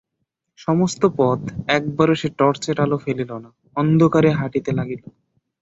সমস্ত পথ একবারও সে টর্চেও আলো ফেলিল না, অন্ধকারে হাঁটিতে লাগিল।